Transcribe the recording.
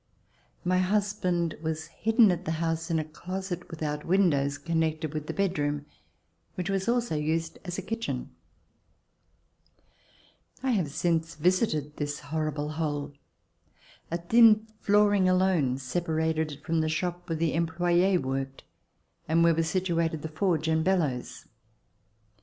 My hus band was hidden at the house in a closet without C 149] RECOLLECTIONS OF THE REVOLUTION windows, connected with the bedroom which was also used as a kitchen. I have since visited this horrible hole. A thin floor ing alone separated it from the shop where the em ployes worked and where were situated the forge and laellows.